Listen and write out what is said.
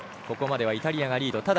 ここまではイタリアがリード。